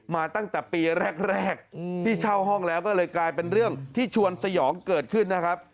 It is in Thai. มาตั้งแต่ปีแรกที่เช่าห้องแล้วก็เลยกลายเป็นเรื่องที่ชวนสยองเกิดขึ้นนะครับ